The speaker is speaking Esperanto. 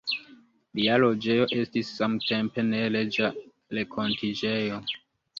Lia loĝejo estis samtempe neleĝa renkontiĝejo.